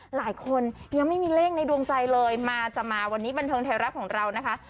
หลายคนยังไม่มีเลขในดวงใจเลยมาจะมาวันนี้บันเทิงไทยรัฐของเรานะคะ